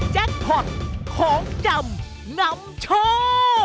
แจ็คพอร์ตของจำนำโชว์